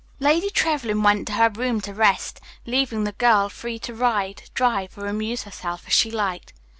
Lady Trevlyn went to her room to rest, leaving the girl free to ride, drive, or amuse herself as she liked.